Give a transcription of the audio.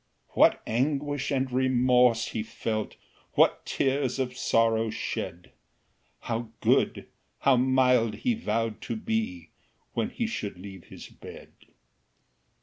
What anguish and remorse he felt, What tears of sorrow shed: How good, how mild he vow'd to be, When he should leave his bed.